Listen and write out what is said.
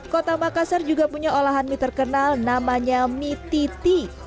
kota makassar juga punya olahan mie terkenal namanya mie titi